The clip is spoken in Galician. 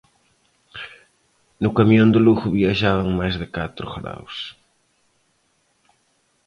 No camión de Lugo viaxaban a máis de catro graos.